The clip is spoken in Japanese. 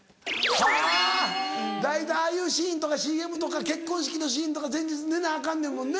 はぁ大体ああいうシーンとかＣＭとか結婚式のシーンとか前日寝なアカンねんもんね。